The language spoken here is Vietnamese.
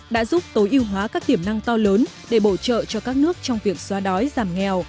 đã giúp tối ưu hóa các tiềm năng to lớn để bổ trợ cho các nước trong việc xóa đói giảm nghèo